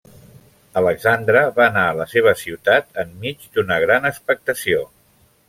Alexandre va anar a la seva ciutat enmig d'una gran expectació.